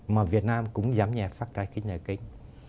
mà việt nam cũng giảm nhẹ phát thải khí nhà kính